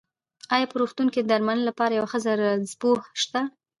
ايا په روغتون کې د درمنلې لپاره يو ښۀ رنځپوۀ شته؟